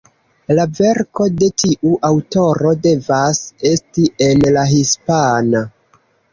La verko de tiu aŭtoro devas esti en la hispana.